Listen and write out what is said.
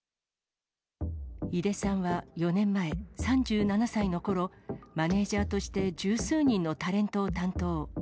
井出さんは４年前、３７歳のころ、マネージャーとして十数人のタレントを担当。